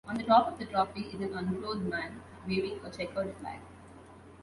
On the top of the trophy is an unclothed man waving a checkered flag.